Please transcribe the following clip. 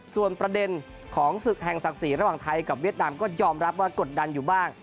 ส่วนประเด็นของศึกแห่งศักดิ์ศรีระหว่างไทยกับเวียดนามก็ยอมรับว่ากดดันอยู่บ้าง